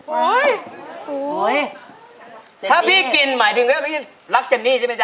เจนี่มั้ยถ้าพี่กินหมายถึงว่ารักเจนี่ใช่ไหมจ๊ะ